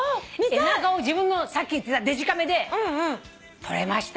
エナガを自分のさっき言ってたデジカメで撮れましたよ。